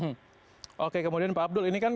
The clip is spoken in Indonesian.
hmm oke kemudian pak abdul ini kan